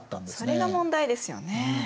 それが問題ですよね。